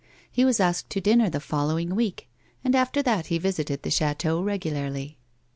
He was asked to dinner the following week, and after that he visited the chateau regularly.